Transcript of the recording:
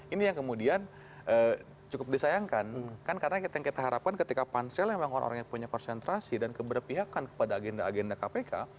ini yang kemudian cukup disayangkan kan karena yang kita harapkan ketika pansel memang orang orang yang punya konsentrasi dan keberpihakan kepada agenda agenda kpk